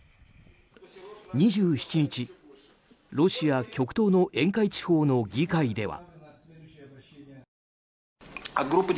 ２７日、ロシア極東の沿海地方の議会では。